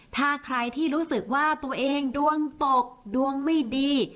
ถ้าใครที่รู้สึกว่าตัวเองดวงตกดวงไม่ดี